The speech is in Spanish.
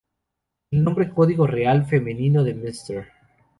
El nombre código real femenino de Mr.